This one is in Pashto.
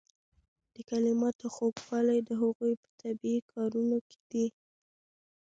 د کلماتو خوږوالی د هغوی په طبیعي کارونه کې دی.